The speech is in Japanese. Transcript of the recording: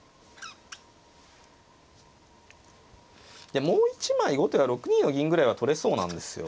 でもう一枚後手は６二の銀ぐらいは取れそうなんですよ。